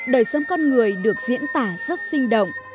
đời sống con người được diễn tả rất sinh động